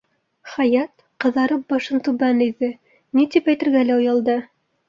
Хаят, ҡыҙарып, башын түбән эйҙе, ни тип әйтергә лә оялды.